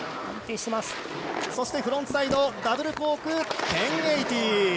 そしてフロントサイドダブルコーク１０８０！